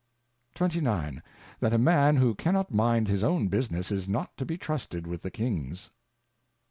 29. That a Man who cannot mind his own Business, is not to 1)6 trusted with the King''s.